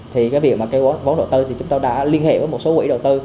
thì cái việc mà kêu gọi vốn đầu tư thì chúng tôi đã liên hệ với một số quỹ đầu tư